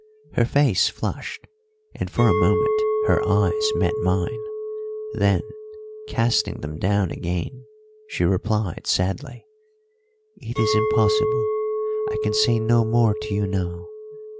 Her face flushed, and for a moment her eyes met mine; then, casting them down again, she replied sadly, "It is impossible! I can say no more to you now.